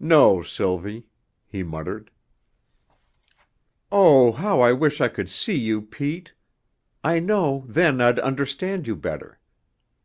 "No, Sylvie," he muttered. "Oh, how I wish I could see you, Pete! I know then I'd understand you better.